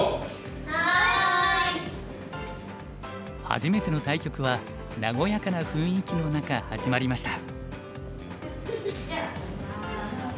初めての対局は和やかな雰囲気の中始まりました。